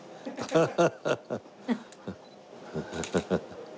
ハハハハ。